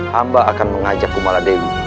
hamba akan mengajak kumala dewi